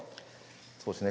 そうですね。